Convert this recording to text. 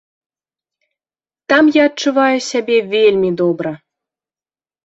Там я адчуваю сябе вельмі добра.